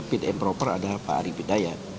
yang kita fit and proper adalah pak arief hidayat